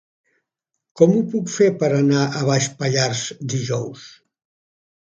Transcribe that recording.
Com ho puc fer per anar a Baix Pallars dijous?